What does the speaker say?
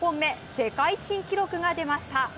世界新記録が出ました。